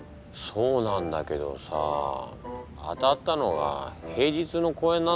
そうなんだけどさ当たったのが平日の公演なんだよ。